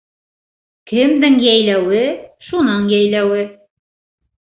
Кемдең йәйләүе — шуның йәйләүе.